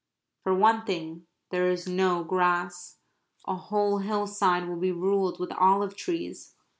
For one thing there is no grass. A whole hillside will be ruled with olive trees.